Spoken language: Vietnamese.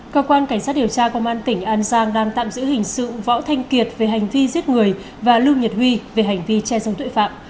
cơ quan cảnh sát điều tra công an tỉnh an giang đang tạm giữ hình sự võ thanh kiệt về hành vi giết người và lưu nhật huy về hành vi che giấu tội phạm